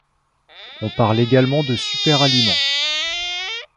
On parle également de super-aliment.